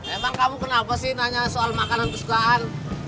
emang kamu kenapa sih nanya soal makanan kesukaan